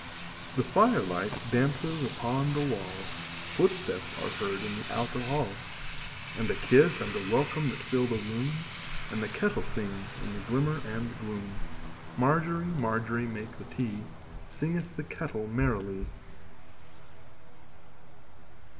The firelight dances upon the wall, Footsteps are heard in the outer hall, And a kiss and a welcome that fill the room, And the kettle sings in the glimmer and gloom. Margery, Margery, make the tea, Singeth the kettle merrily.